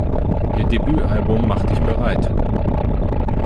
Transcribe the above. Ihr Debütalbum "Mach dich bereit!